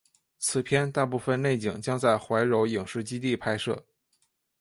此片大部分内景将在怀柔影视基地拍摄。